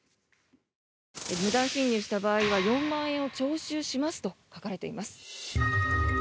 無断進入した場合は４万円を徴収しますと書かれています。